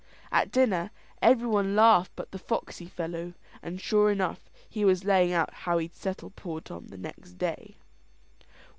At dinner every one laughed but the foxy fellow; and sure enough he was laying out how he'd settle poor Tom next day.